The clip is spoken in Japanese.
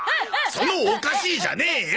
そのおかしいじゃねえよ！